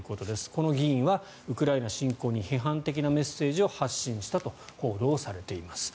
この議員はウクライナ侵攻に批判的なメッセージを発信したと報道されています。